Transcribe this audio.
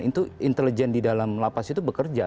itu intelijen di dalam lapas itu bekerja